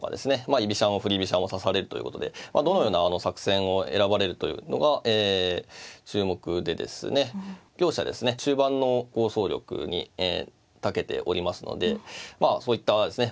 居飛車も振り飛車も指されるということでどのような作戦を選ばれるというのが注目でですね両者ですね中盤の構想力にたけておりますのでまあそういったですね